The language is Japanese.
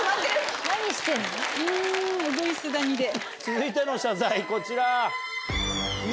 続いての謝罪こちら。